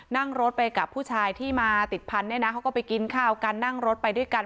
นั่งรถไปกับผู้ชายที่มาติดพันธุ์เนี่ยนะเขาก็ไปกินข้าวกันนั่งรถไปด้วยกัน